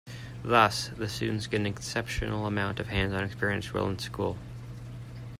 Thus, the students get an exceptional amount of hands-on experience while in school.